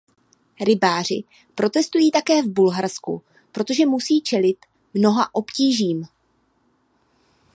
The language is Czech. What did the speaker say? Rybáři protestují také v Bulharsku, protože musí čelit mnoha obtížím.